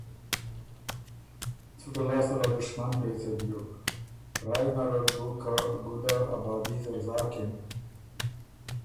څُټه لاستل ا دشمن پېڅه بیوک، رای نر ال بُو که ګُده ابادي زر زاکِن